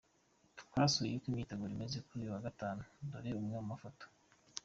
Twasuye uko imyiteguro imeze, kuri uyu wa Gatanu, dore amwe mu mafoto :.